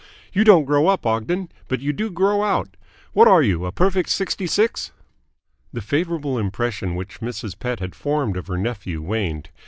You don't grow up, Ogden, but you do grow out. What are you a perfect sixty six?" The favourable impression which Mrs. Pett had formed of her nephew waned.